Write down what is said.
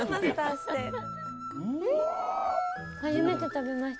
初めて食べました。